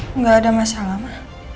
enggak ada masalah ma